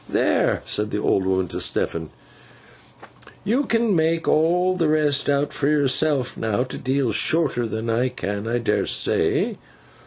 There!' said the old woman to Stephen, 'you can make all the rest out for yourself now, a deal shorter than I can, I dare say!